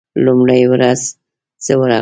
لومړۍ ورځ زه ورغلم.